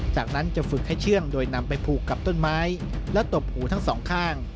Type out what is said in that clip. จากนั้นจะฝึกให้เชื่องโดยนำไปผูกกับต้นไม้และตบหูทั้งสองข้าง